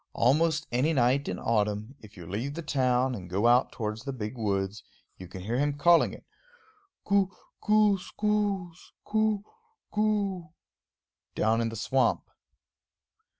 Almost any night in autumn, if you leave the town and go out towards the big woods, you can hear him calling it, Koo koo skoos, koooo, kooo, down in the swamp.